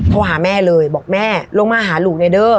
โทรหาแม่เลยบอกแม่ลงมาหาลูกในเด้อ